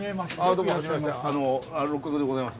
どうもはじめまして六角でございます。